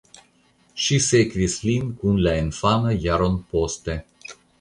Ŝi sekvis lin kun la infanoj jaron poste.